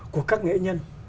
của các nghệ nhân